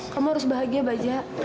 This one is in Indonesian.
kamu harus bahagia bajak